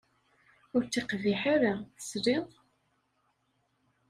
Ur ttiqbiḥ ara, tesliḍ!